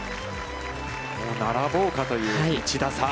並ぼうかという１打差。